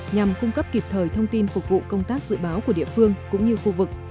nhằm cung cấp kịp thời thông tin phục vụ công tác dự báo của địa phương cũng như khu vực